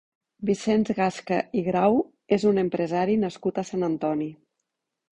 Vicenç Gasca i Grau és un empresari nascut a Sant Antoni.